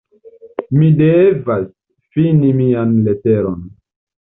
Mi devas ﬁni mian leteron.